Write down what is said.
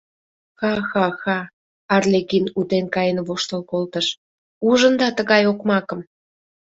— Ха-ха-ха, — Арлекин утен каен воштыл колтыш, — ужында тыгай окмакым!..